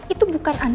itu bukan anaknya